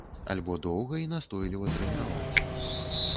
Альбо доўга і настойліва трэніравацца.